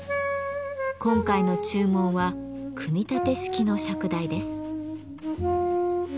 今回の注文は組み立て式の釈台です。